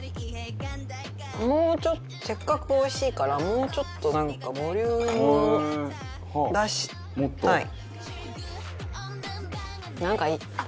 もうちょっとせっかくおいしいからもうちょっとなんかボリュームを出したい。